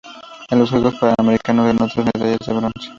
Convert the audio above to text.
En los Juegos Panamericanos, ganó tres medallas de bronce.